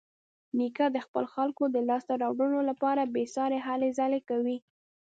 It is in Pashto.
نیکه د خپلو خلکو د لاسته راوړنو لپاره بېسارې هلې ځلې کوي.